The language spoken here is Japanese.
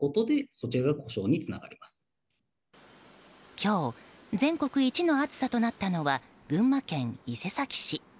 今日全国一の暑さとなったのは群馬県伊勢崎市。